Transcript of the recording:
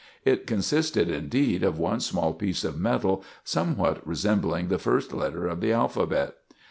It consisted, indeed, of one small piece of metal somewhat resembling the first letter of the alphabet.